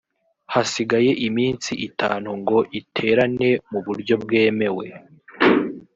hasigaye iminsi itanu ngo iterane mu buryo bwemewe